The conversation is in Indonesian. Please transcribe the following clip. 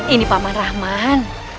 ini paman rahman